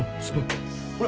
ほら。